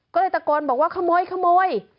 ก็เลยตะโกนบอกว่าขโมย